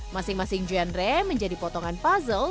masing masing genre menjadi potongan puzzle